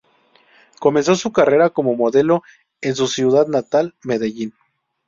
Comenzó su carrera como modelo, en su ciudad natal Medellín.